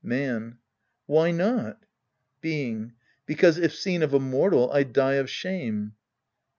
Man. Why not ?' Being. Because if seen of a mortal, I'd die of shame.